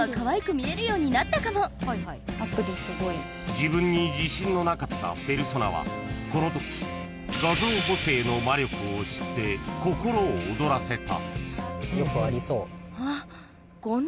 ［自分に自信のなかったペルソナはこのとき画像補正の魔力を知って心を躍らせた］